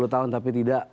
sepuluh tahun tapi tidak